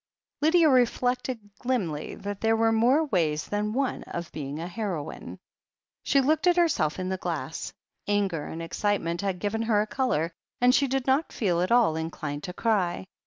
Lydia reflected grimly that there were more ways than one of being a heroine. She looked at herself in the glass. Anger and excite ment had given her a colour, and she did not feel at all inclined to cry.